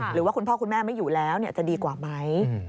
หรือว่าคุณพ่อคุณแม่ไม่อยู่แล้วจะดีกว่าไหม